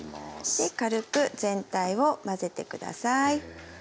で軽く全体を混ぜて下さい。